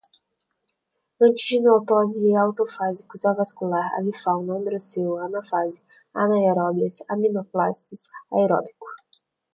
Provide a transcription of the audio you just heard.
antígeno, autólise, autofágicos, avascular, avifauna, androceu, anáfase, anaeróbias, amiloplastos, aeróbico